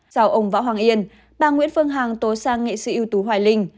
chào ông võ hoàng yên bà nguyễn phương hằng tối sang nghệ sĩ ưu tú hoài linh